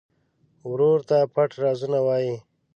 ورور ته پټ رازونه وایې.